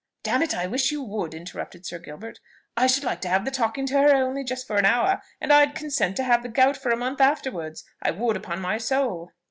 "D n it! I wish you would," interrupted Sir Gilbert. "I should like to have the talking to her only just for an hour, and I'd consent to have the gout for a month afterwards; I would, upon my soul!"